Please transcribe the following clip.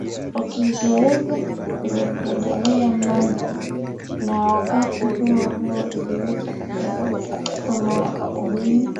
Uingereza ilimpendelea Majid na wakati huohuo iliweza kumpoza Thuwain